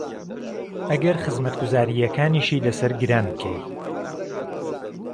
ئهگهر خزمهتگوزارییهکانیشی لهسهر گران بکهی